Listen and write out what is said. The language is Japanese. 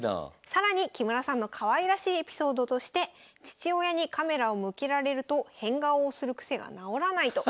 更に木村さんのかわいらしいエピソードとして父親にカメラを向けられると変顔をする癖が直らないと。